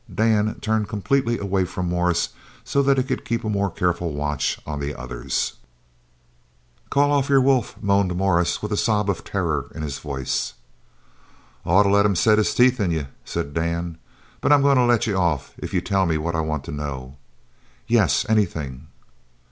Dan turned completely away from Morris so that he could keep a more careful watch on the others. "Call off your wolf!" moaned Morris, a sob of terror in his voice. "I ought to let him set his teeth in you," said Dan, "but I'm goin' to let you off if you'll tell me what I want to know." "Yes! Anything!"